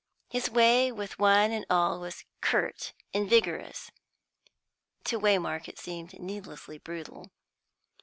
His way with one and all was curt and vigorous; to Waymark it seemed needlessly brutal.